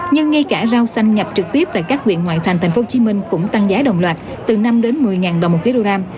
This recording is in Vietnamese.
nhưng ngay cả rau xanh nhập trực tiếp tại các viện ngoại thành tp hcm cũng tăng giá đồng loạt từ năm một mươi ngàn đồng một khí đô ram